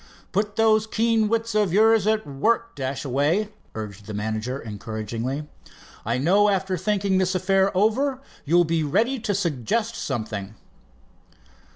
"Put those keen wits of yours at work, Dashaway," urged the manager encouragingly. "I know after thinking this affair over you'll be ready to suggest something."